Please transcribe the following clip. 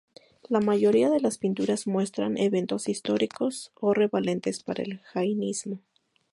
La mayoría de las pinturas muestran eventos históricos o relevantes para el jainismo.